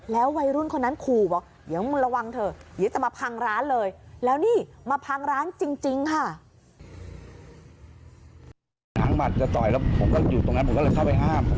แล้ววัยรุ่นคนนั้นขู่บอกเดี๋ยวมึงระวังเถอะ